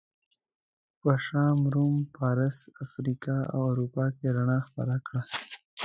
په شام، روم، فارس، افریقا او اروپا کې رڼا خپره کړه.